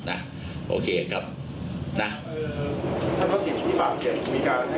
นะครับผมก็ต้องให้การว่าเขาให้การว่าเขาให้การขัดแย้งข้อเรียกจริงนะครับ